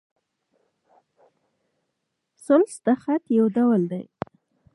ثلث د خط؛ یو ډول دﺉ.